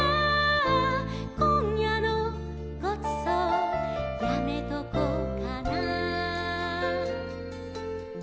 「今夜のごちそうやめとこうかな」